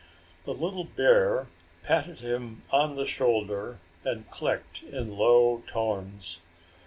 The little bear patted him on the shoulder and clicked in low tones.